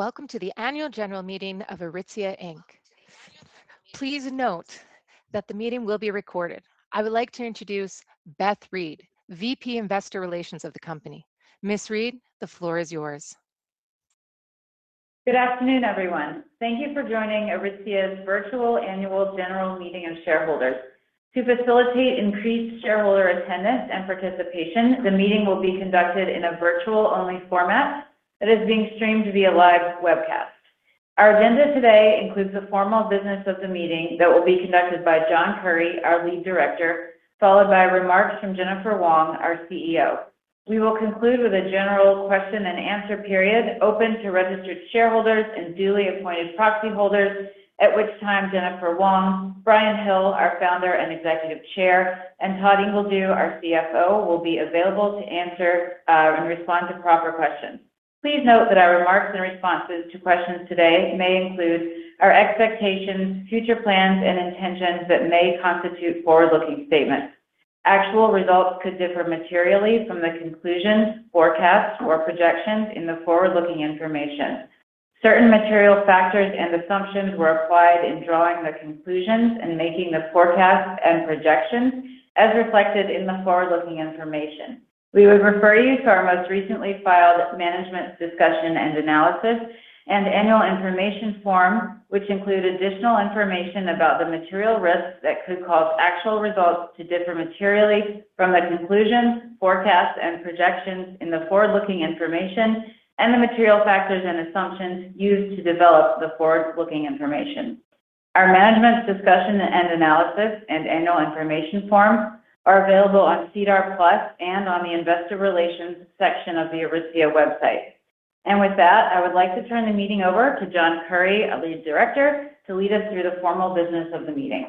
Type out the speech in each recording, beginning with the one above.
Welcome to the annual general meeting of Aritzia Inc. Please note that the meeting will be recorded. I would like to introduce Beth Reed, VP Investor Relations of the company. Ms. Reed, the floor is yours. Good afternoon, everyone. Thank you for joining Aritzia's virtual annual general meeting of shareholders. To facilitate increased shareholder attendance and participation, the meeting will be conducted in a virtual-only format that is being streamed via live webcast. Our agenda today includes the formal business of the meeting that will be conducted by John Currie, our Lead Director, followed by remarks from Jennifer Wong, our CEO. We will conclude with a general question-and-answer period open to registered shareholders and duly appointed proxy holders, at which time Jennifer Wong; Brian Hill, our Founder and Executive Chair; and Todd Ingledew, our CFO, will be available to answer and respond to proper questions. Please note that our remarks and responses to questions today may include our expectations, future plans, and intentions that may constitute forward-looking statements. Actual results could differ materially from the conclusions, forecasts, or projections in the forward-looking information. Certain material factors and assumptions were applied in drawing the conclusions and making the forecasts and projections, as reflected in the forward-looking information. We would refer you to our most recently filed Management's Discussion and Analysis and Annual Information Form, which include additional information about the material risks that could cause actual results to differ materially from the conclusions, forecasts, and projections in the forward-looking information, and the material factors and assumptions used to develop the forward-looking information. Our Management's Discussion and Analysis and Annual Information Form are available on SEDAR+ and on the investor relations section of the Aritzia website. With that, I would like to turn the meeting over to John Currie, our Lead Director, to lead us through the formal business of the meeting.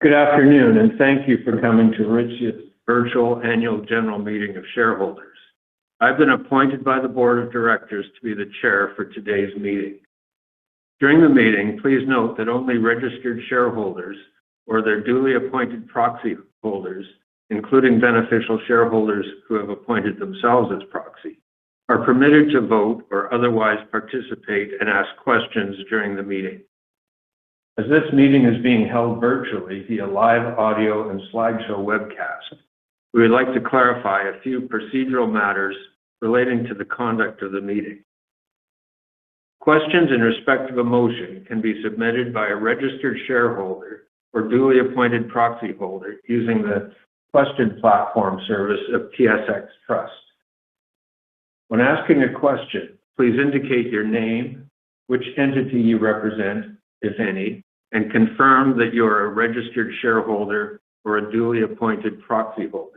Good afternoon, and thank you for coming to Aritzia's virtual annual general meeting of shareholders. I've been appointed by the Board of Directors to be the Chair for today's meeting. During the meeting, please note that only registered shareholders or their duly appointed proxy holders, including beneficial shareholders who have appointed themselves as proxy, are permitted to vote or otherwise participate and ask questions during the meeting. As this meeting is being held virtually via live audio and slideshow webcast, we would like to clarify a few procedural matters relating to the conduct of the meeting. Questions in respect of a motion can be submitted by a registered shareholder or duly appointed proxy holder using the question platform service of TSX Trust. When asking a question, please indicate your name, which entity you represent, if any, and confirm that you're a registered shareholder or a duly appointed proxy holder.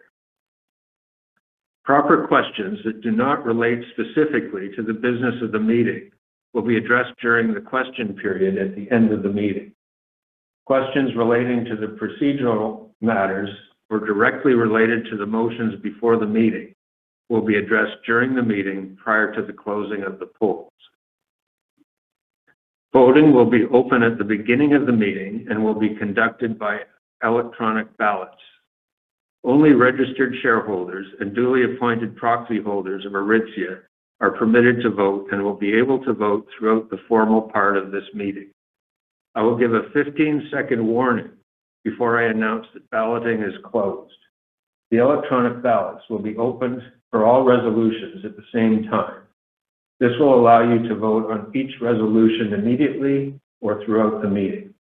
Proper questions that do not relate specifically to the business of the meeting will be addressed during the question period at the end of the meeting. Questions relating to the procedural matters or directly related to the motions before the meeting will be addressed during the meeting prior to the closing of the polls. Voting will be open at the beginning of the meeting and will be conducted by electronic ballots. Only registered shareholders and duly appointed proxy holders of Aritzia are permitted to vote and will be able to vote throughout the formal part of this meeting. I will give a 15-second warning before I announce that balloting is closed. The electronic ballots will be opened for all resolutions at the same time. This will allow you to vote on each resolution immediately or throughout the meeting.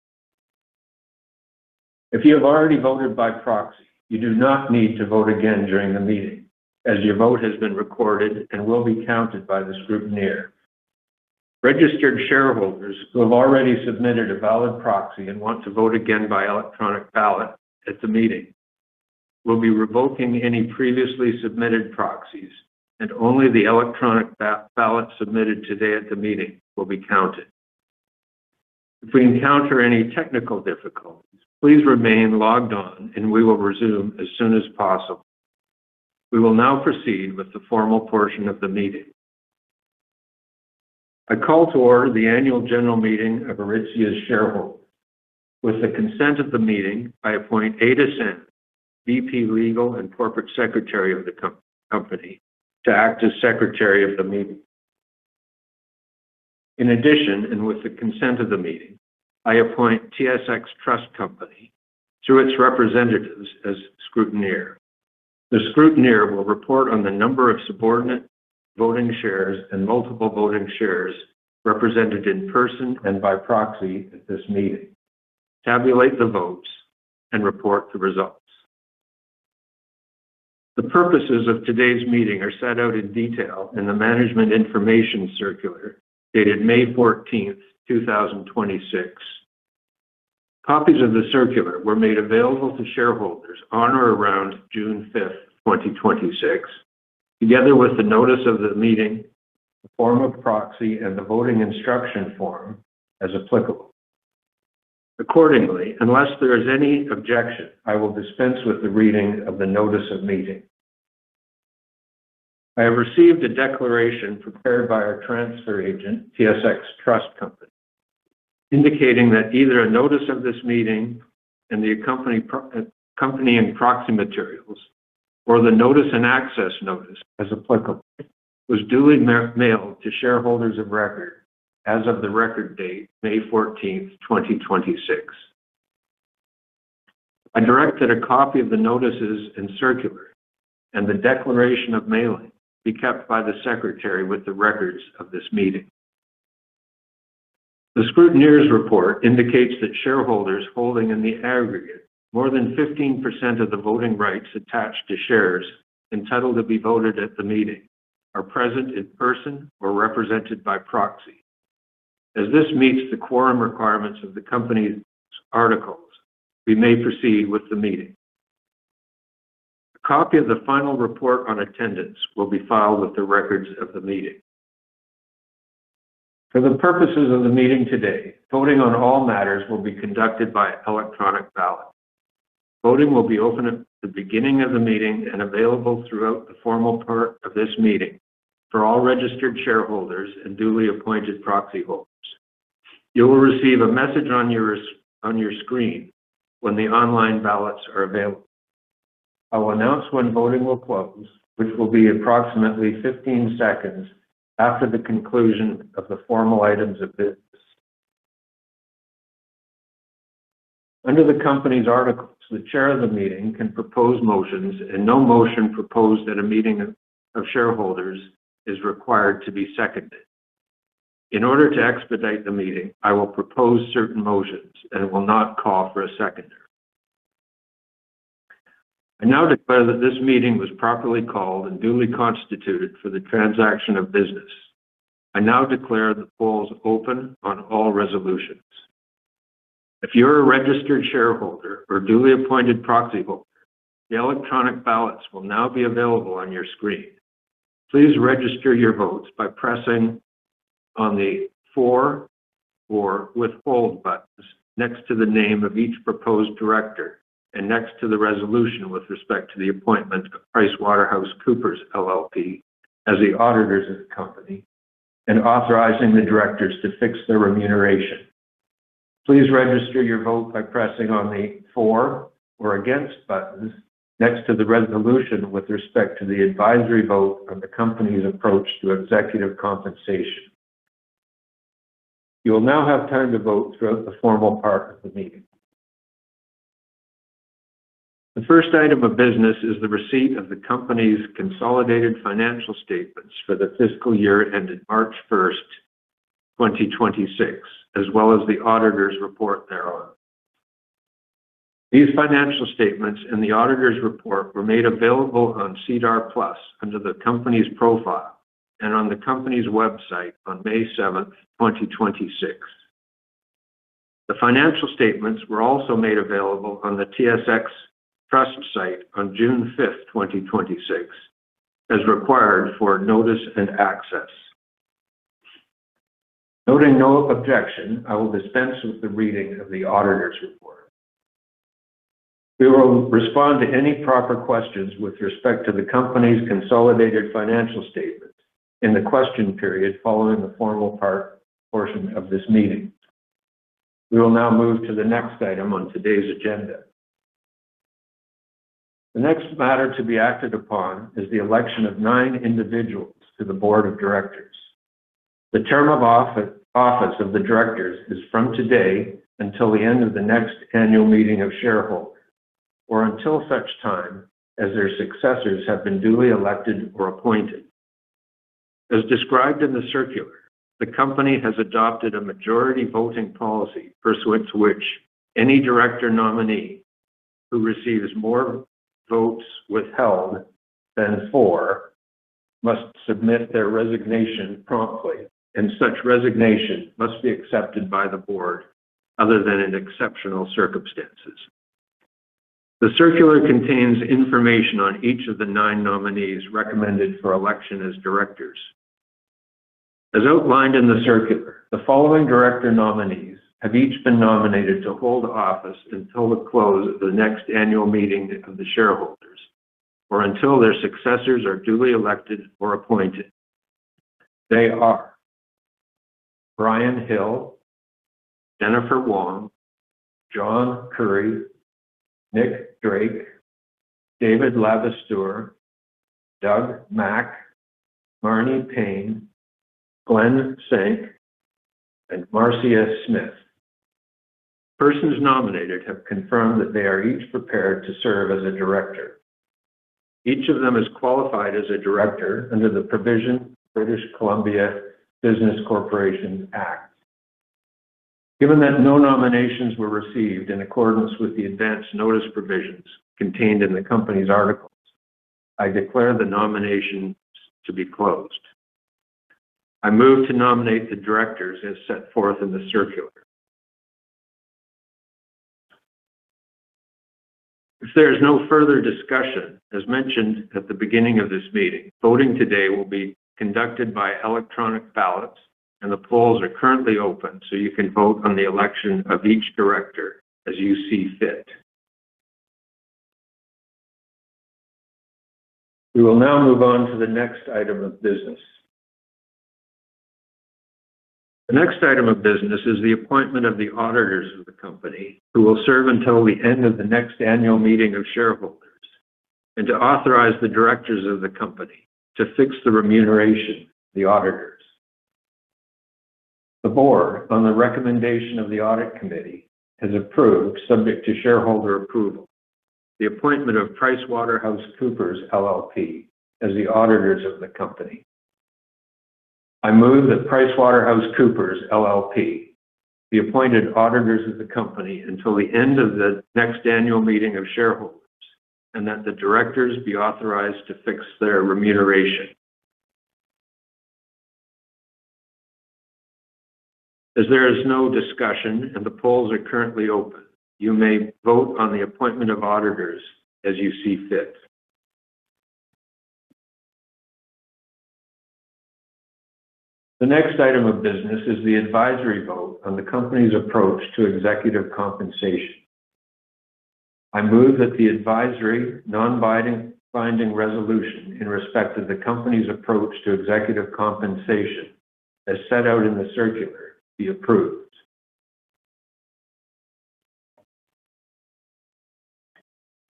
If you have already voted by proxy, you do not need to vote again during the meeting, as your vote has been recorded and will be counted by the scrutineer. Registered shareholders who have already submitted a valid proxy and want to vote again by electronic ballot at the meeting will be revoking any previously submitted proxies, and only the electronic ballot submitted today at the meeting will be counted. If we encounter any technical difficulties, please remain logged on, and we will resume as soon as possible. We will now proceed with the formal portion of the meeting. I call to order the annual general meeting of Aritzia's shareholders. With the consent of the meeting, I appoint Ada San, VP, Legal and Corporate Secretary of the company, to act as Secretary of the meeting. In addition, with the consent of the meeting, I appoint TSX Trust Company, through its representatives, as scrutineer. The scrutineer will report on the number of subordinate voting shares and multiple voting shares represented in person and by proxy at this meeting, tabulate the votes, and report the results. The purposes of today's meeting are set out in detail in the management information circular dated May 14th, 2026. Copies of the circular were made available to shareholders on or around June 5th, 2026, together with the notice of the meeting, the form of proxy, and the voting instruction form, as applicable. Accordingly, unless there is any objection, I will dispense with the reading of the notice of meeting. I have received a declaration prepared by our transfer agent, TSX Trust Company, indicating that either a notice of this meeting and the accompanying company and proxy materials, or the notice and access notice as applicable, was duly mailed to shareholders of record as of the record date, May 14th, 2026. I directed a copy of the notices and circular and the declaration of mailing be kept by the Secretary with the records of this meeting. The scrutineer's report indicates that shareholders holding in the aggregate more than 15% of the voting rights attached to shares entitled to be voted at the meeting are present in person or represented by proxy. As this meets the quorum requirements of the company's articles, we may proceed with the meeting. A copy of the final report on attendance will be filed with the records of the meeting. For the purposes of the meeting today, voting on all matters will be conducted by electronic ballot. Voting will be open at the beginning of the meeting and available throughout the formal part of this meeting for all registered shareholders and duly appointed proxy holders. You will receive a message on your screen when the online ballots are available. I will announce when voting will close, which will be approximately 15 seconds after the conclusion of the formal items of business. Under the company's articles, the chair of the meeting can propose motions, and no motion proposed at a meeting of shareholders is required to be seconded. In order to expedite the meeting, I will propose certain motions and will not call for a seconder. I now declare that this meeting was properly called and duly constituted for the transaction of business. I now declare the polls open on all resolutions. If you're a registered shareholder or duly appointed proxy holder, the electronic ballots will now be available on your screen. Please register your votes by pressing on the for or withhold buttons next to the name of each proposed director and next to the resolution with respect to the appointment of PricewaterhouseCoopers LLP as the auditors of the company, and authorizing the directors to fix their remuneration. Please register your vote by pressing on the for or against buttons next to the resolution with respect to the advisory vote on the company's approach to executive compensation. You will now have time to vote throughout the formal part of the meeting. The first item of business is the receipt of the company's consolidated financial statements for the fiscal year ended March 1st, 2026, as well as the auditor's report thereon. These financial statements and the auditor's report were made available on SEDAR+ under the company's profile and on the company's website on May 7th, 2026. The financial statements were also made available on the TSX Trust site on June 5th, 2026, as required for notice and access. Noting no objection, I will dispense with the reading of the auditor's report. We will respond to any proper questions with respect to the company's consolidated financial statements in the question period following the formal part portion of this meeting. We will now move to the next item on today's agenda. The next matter to be acted upon is the election of nine individuals to the Board of Directors. The term of office of the directors is from today until the end of the next annual meeting of shareholders, or until such time as their successors have been duly elected or appointed. As described in the circular, the company has adopted a majority voting policy pursuant to which any director nominee who receives more votes withheld than for must submit their resignation promptly, and such resignation must be accepted by the Board other than in exceptional circumstances. The circular contains information on each of the nine nominees recommended for election as directors. As outlined in the circular, the following director nominees have each been nominated to hold office until the close of the next annual meeting of the shareholders, or until their successors are duly elected or appointed. They are Brian Hill, Jennifer Wong, John Currie, Nick Drake, David Labistour, Doug Mack, Marni Payne, Glen Senk, and Marcia Smith. Persons nominated have confirmed that they are each prepared to serve as a director. Each of them is qualified as a director under the provision British Columbia Business Corporations Act. Given that no nominations were received in accordance with the advance notice provisions contained in the company's articles, I declare the nominations to be closed. I move to nominate the directors as set forth in the circular. If there is no further discussion, as mentioned at the beginning of this meeting, voting today will be conducted by electronic ballots and the polls are currently open so you can vote on the election of each director as you see fit. We will now move on to the next item of business. The next item of business is the appointment of the auditors of the company who will serve until the end of the next annual meeting of shareholders, and to authorize the directors of the company to fix the remuneration of the auditors. The Board, on the recommendation of the Audit Committee, has approved, subject to shareholder approval, the appointment of PricewaterhouseCoopers LLP as the auditors of the company. I move that PricewaterhouseCoopers LLP be appointed auditors of the company until the end of the next annual meeting of shareholders, and that the directors be authorized to fix their remuneration. As there is no discussion and the polls are currently open, you may vote on the appointment of auditors as you see fit. The next item of business is the advisory vote on the company's approach to executive compensation. I move that the advisory non-binding resolution in respect of the company's approach to executive compensation, as set out in the circular, be approved.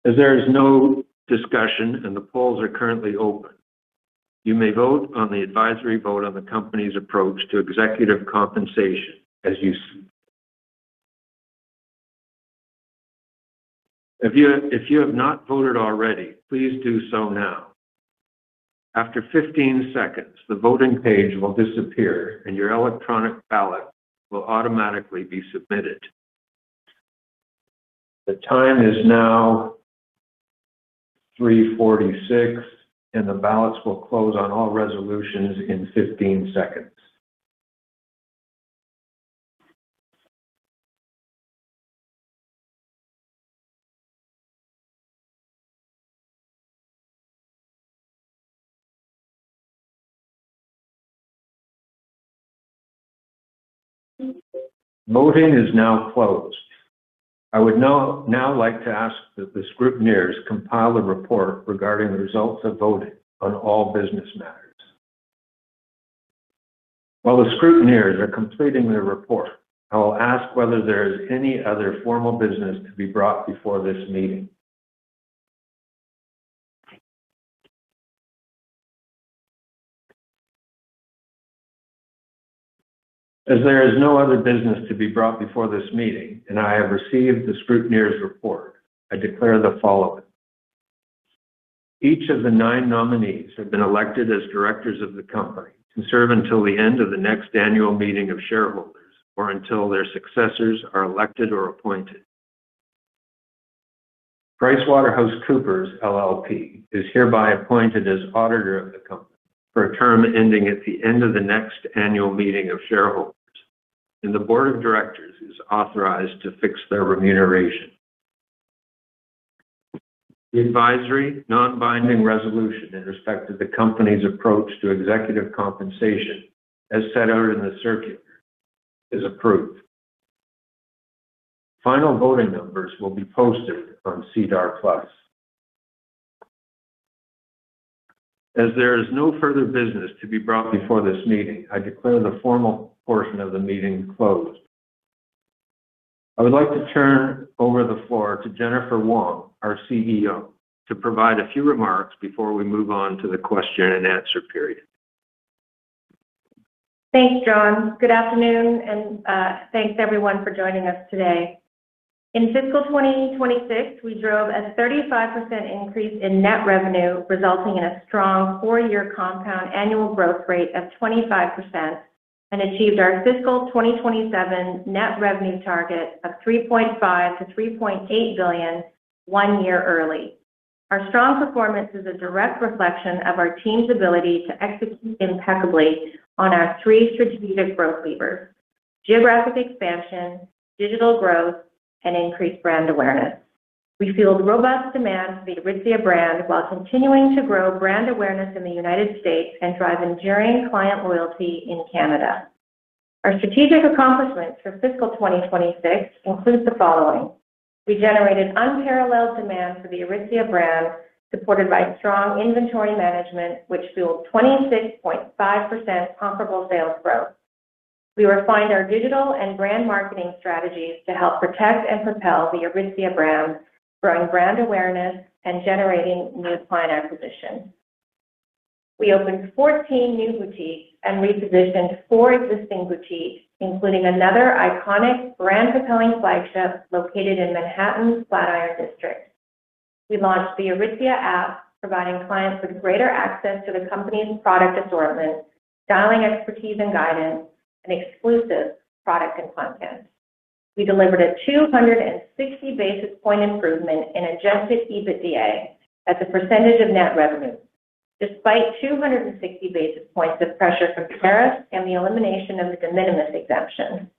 As there is no discussion and the polls are currently open, you may vote on the advisory vote on the company's approach to executive compensation as you see. If you have not voted already, please do so now. After 15 seconds, the voting page will disappear and your electronic ballot will automatically be submitted. The time is now 3:46 P.M., and the ballots will close on all resolutions in 15 seconds. Voting is now closed. I would now like to ask that the scrutineers compile a report regarding the results of voting on all business matters. While the scrutineers are completing their report, I will ask whether there is any other formal business to be brought before this meeting. As there is no other business to be brought before this meeting, and I have received the scrutineers' report, I declare the following. Each of the nine nominees have been elected as directors of the company to serve until the end of the next annual meeting of shareholders or until their successors are elected or appointed. PricewaterhouseCoopers LLP is hereby appointed as auditor of the company for a term ending at the end of the next annual meeting of shareholders, and the Board of Directors is authorized to fix their remuneration. The advisory non-binding resolution in respect of the company's approach to executive compensation, as set out in the circular, is approved. Final voting numbers will be posted on SEDAR+. There is no further business to be brought before this meeting, I declare the formal portion of the meeting closed. I would like to turn over the floor to Jennifer Wong, our CEO, to provide a few remarks before we move on to the question-and-answer period. Thanks, John. Good afternoon, and thanks everyone for joining us today. In fiscal 2026, we drove a 35% increase in net revenue, resulting in a strong four-year compound annual growth rate of 25%, and achieved our fiscal 2027 net revenue target of 3.5 billion-3.8 billion one year early. Our strong performance is a direct reflection of our team's ability to execute impeccably on our three strategic growth levers: geographic expansion, digital growth, and increased brand awareness. We fueled robust demand for the Aritzia brand while continuing to grow brand awareness in the United States and drive enduring client loyalty in Canada. Our strategic accomplishments for fiscal 2026 include the following. We generated unparalleled demand for the Aritzia brand, supported by strong inventory management, which fueled 26.5% comparable sales growth. We refined our digital and brand marketing strategies to help protect and propel the Aritzia brand, growing brand awareness and generating new client acquisition. We opened 14 new boutiques and repositioned four existing boutiques, including another iconic brand-propelling flagship located in Manhattan's Flatiron District. We launched the Aritzia app, providing clients with greater access to the company's product assortment, styling expertise and guidance, and exclusive products and content. We delivered a 260-basis point improvement in adjusted EBITDA as a percentage of net revenue, despite 260 basis points of pressure from tariffs and the elimination of the de minimis exemption.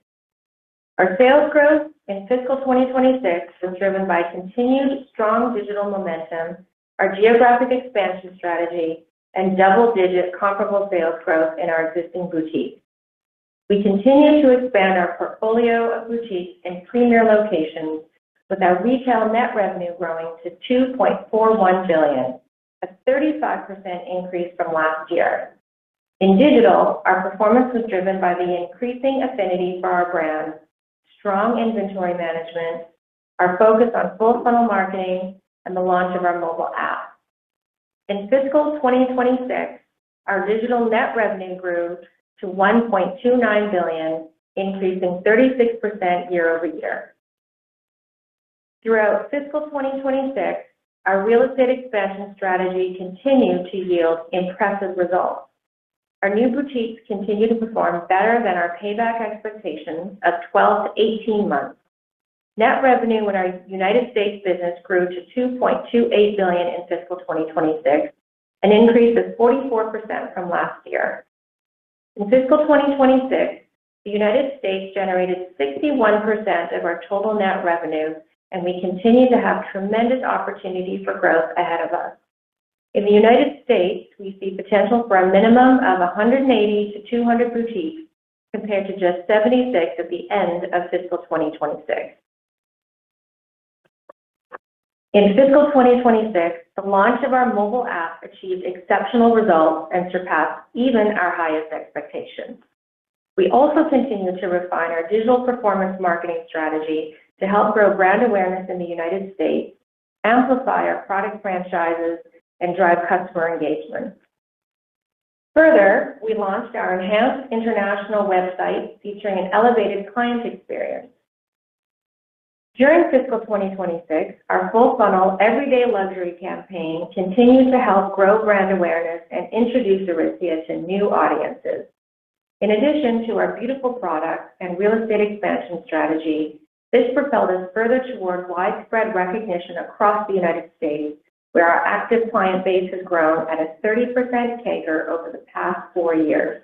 Our sales growth in fiscal 2026 was driven by continued strong digital momentum, our geographic expansion strategy, and double-digit comparable sales growth in our existing boutiques. We continue to expand our portfolio of boutiques in premier locations with our retail net revenue growing to 2.41 billion, a 35% increase from last year. In digital, our performance was driven by the increasing affinity for our brand, strong inventory management, our focus on full-funnel marketing, and the launch of our mobile app. In fiscal 2026, our digital net revenue grew to 1.29 billion, increasing 36% year-over-year. Throughout fiscal 2026, our real estate expansion strategy continued to yield impressive results. Our new boutiques continue to perform better than our payback expectations of 12-18 months. Net revenue in our United States business grew to 2.28 billion in fiscal 2026, an increase of 44% from last year. In fiscal 2026, the United States generated 61% of our total net revenue, and we continue to have tremendous opportunity for growth ahead of us. In the United States, we see potential for a minimum of 180-200 boutiques, compared to just 76 at the end of fiscal 2026. In fiscal 2026, the launch of our mobile app achieved exceptional results and surpassed even our highest expectations. We also continue to refine our digital performance marketing strategy to help grow brand awareness in the United States, amplify our product franchises, and drive customer engagement. Further, we launched our enhanced international website featuring an elevated client experience. During fiscal 2026, our full-funnel Everyday Luxury campaign continued to help grow brand awareness and introduce Aritzia to new audiences. In addition to our beautiful products and real estate expansion strategy, this propelled us further towards widespread recognition across the United States, where our active client base has grown at a 30% CAGR over the past four years.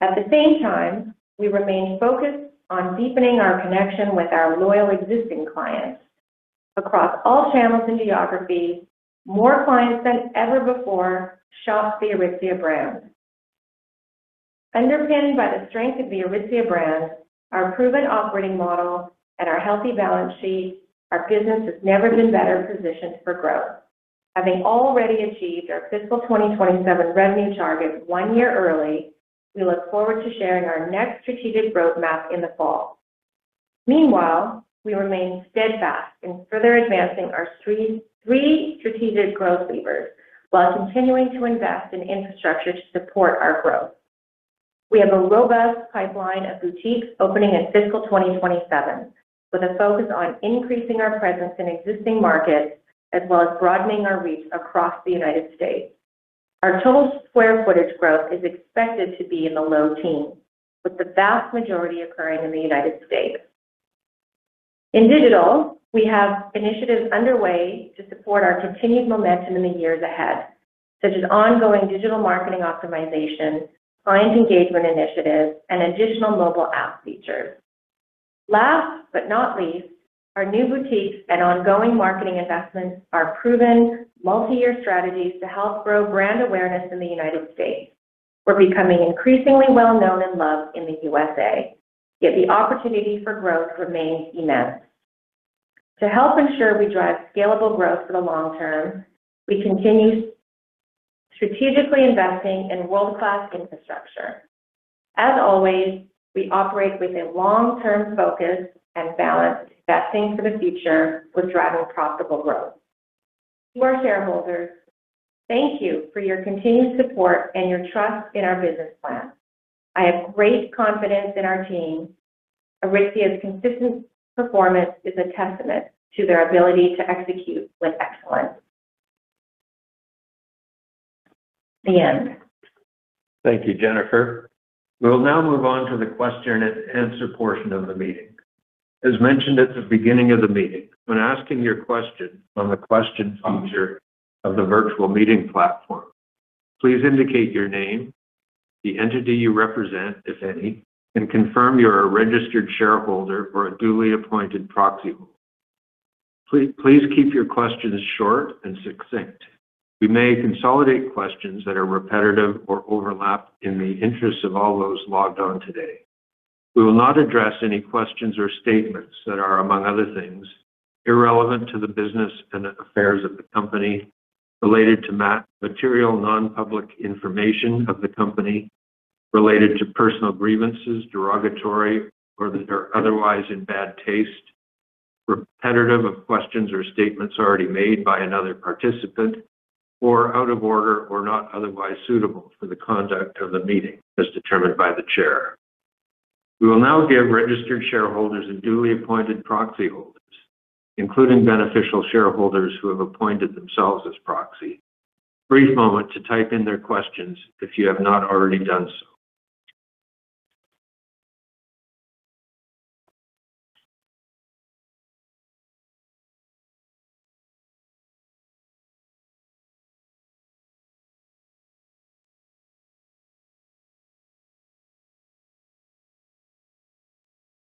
At the same time, we remain focused on deepening our connection with our loyal existing clients. Across all channels and geographies, more clients than ever before shop the Aritzia brand. Underpinned by the strength of the Aritzia brand, our proven operating model, and our healthy balance sheet, our business has never been better positioned for growth. Having already achieved our fiscal 2027 revenue target one year early, we look forward to sharing our next strategic roadmap in the fall. Meanwhile, we remain steadfast in further advancing our three strategic growth levers while continuing to invest in infrastructure to support our growth. We have a robust pipeline of boutiques opening in fiscal 2027, with a focus on increasing our presence in existing markets as well as broadening our reach across the United States. Our total square footage growth is expected to be in the low teens, with the vast majority occurring in the United States. In digital, we have initiatives underway to support our continued momentum in the years ahead, such as ongoing digital marketing optimization, client engagement initiatives, and additional mobile app features. Last but not least, our new boutiques and ongoing marketing investments are proven, multi-year strategies to help grow brand awareness in the United States. We're becoming increasingly well-known and loved in the U.S.A., yet the opportunity for growth remains immense. To help ensure we drive scalable growth for the long term, we continue strategically investing in world-class infrastructure. As always, we operate with a long-term focus and balance, investing for the future while driving profitable growth. To our shareholders, thank you for your continued support and your trust in our business plan. I have great confidence in our team. Aritzia's consistent performance is a testament to their ability to execute with excellence. The end. Thank you, Jennifer. We will now move on to the question-and-answer portion of the meeting. As mentioned at the beginning of the meeting, when asking your question on the question feature of the virtual meeting platform, please indicate your name, the entity you represent, if any, and confirm you're a registered shareholder or a duly appointed proxy. Please keep your questions short and succinct. We may consolidate questions that are repetitive or overlap in the interest of all those logged on today. We will not address any questions or statements that are, among other things, irrelevant to the business and affairs of the company, related to material non-public information of the company, related to personal grievances, derogatory or that are otherwise in bad taste, repetitive of questions or statements already made by another participant, or out of order or not otherwise suitable for the conduct of the meeting as determined by the Chair. We will now give registered shareholders and duly appointed proxy holders, including beneficial shareholders who have appointed themselves as proxy, a brief moment to type in their questions if you have not already done so.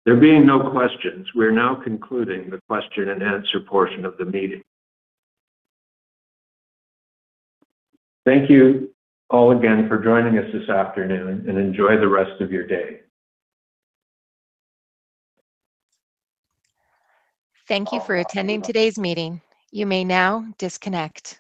There being no questions, we are now concluding the question-and-answer portion of the meeting. Thank you all again for joining us this afternoon, and enjoy the rest of your day. Thank you for attending today's meeting. You may now disconnect.